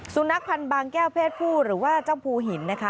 สุนัขพันธ์บางแก้วเพศผู้หรือว่าเจ้าภูหินนะคะ